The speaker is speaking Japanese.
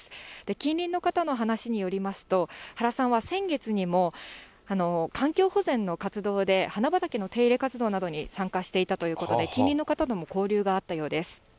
近隣の方の話によりますと、原さんは先月にも環境保全の活動で、花畑の手入れ活動などに参加していたということで、近隣の方とも交流があったようです。